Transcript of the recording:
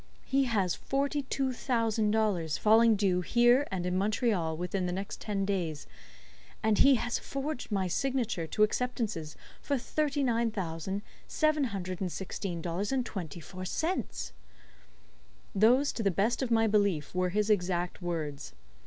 He has forty two thousand dollars falling due here and in Montreal within the next ten days, and _he has forged my signature to acceptances for thirty nine thousand seven hundred and sixteen dollars and twenty four cents_." Those to the best of my belief, were his exact words.